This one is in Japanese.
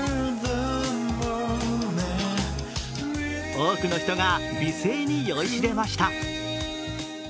多くの人が美声に酔いしれました。